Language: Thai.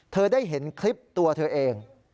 ได้เห็นคลิปตัวเธอเอง